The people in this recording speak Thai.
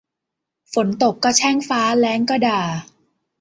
ฝนตกก็แช่งฟ้าแล้งก็ด่า